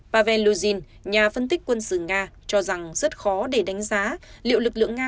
pavel luzhin nhà phân tích quân sự nga cho rằng rất khó để đánh giá liệu lực lượng nga